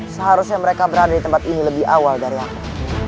seharusnya mereka berada di tempat ini lebih awal dari awal